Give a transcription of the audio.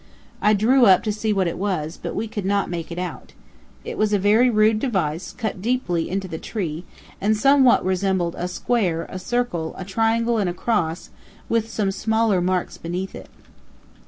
I drew up to see what it was, but we could not make it out. It was a very rude device, cut deeply into the tree, and somewhat resembled a square, a circle, a triangle, and a cross, with some smaller marks beneath it.